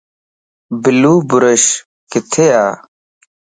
بلو بُروش ڪٿي ءَ ؟